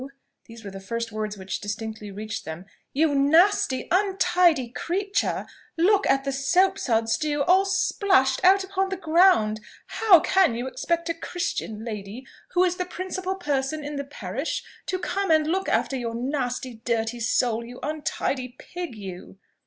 these were the first words which distinctly reached them; "you nasty untidy creature! look at the soap suds, do, all splashed out upon the ground! How can you expect a Christian lady, who is the principal person in the parish, to come and look after your nasty dirty soul, you untidy pig, you?"